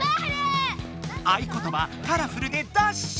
合いことば「カラフル！」でダッシュ！